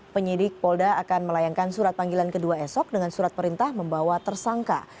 penyidik polda akan melayangkan surat panggilan kedua esok dengan surat perintah membawa tersangka